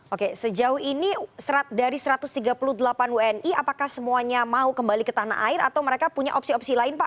oke sejauh ini dari satu ratus tiga puluh delapan wni apakah semuanya mau kembali ke tanah air atau mereka punya opsi opsi lain pak